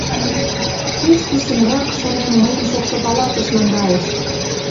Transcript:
«Кеч писынрак, — шонем, — мыйым шокшо палатыш наҥгайышт.